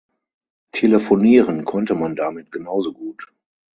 Telefonieren konnte man damit genauso gut.